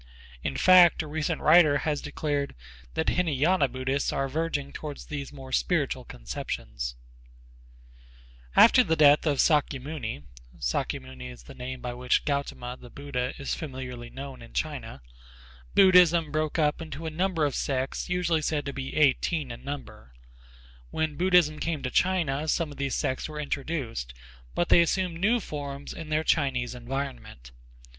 In fact, a recent writer has declared that Hînayâna Buddhists are verging toward these more spiritual conceptions. [Footnote: See Saunders, Buddhism and Buddhists in Southern Asia, pp. 10, 20.] After the death of Sâkyamuni [Footnote: Sâkyamuni is the name by which Gautama, the Buddha, is familiarly known in China.] Buddhism broke up into a number of sects usually said to be eighteen in number. When Buddhism came to China some of these sects were introduced, but they assumed new forms in their Chinese environment.